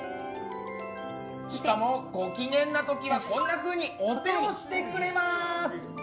しかも、ご機嫌な時はこんなふうにお手をしてくれます。